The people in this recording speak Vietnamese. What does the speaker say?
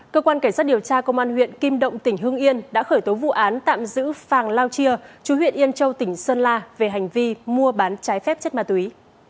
cơ quan cảnh sát điều tra công an huyện kim động tỉnh hưng yên đã khởi tố vụ án tạm giữ phàng lao chia chú huyện yên châu tỉnh sơn la về hành vi mua bán trái phép chất ma túy